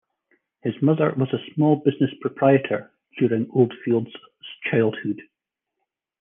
His mother was a small business proprietor during Oldfield's childhood.